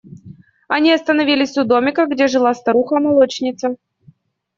Они остановились у домика, где жила старуха молочница.